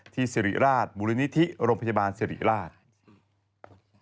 ที่สรีราชบุรินิธิโรงพยาบาลสรีราช